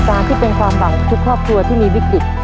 การที่เป็นความหวังของทุกครอบครัวที่มีวิกฤต